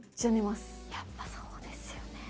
やっぱそうですよね。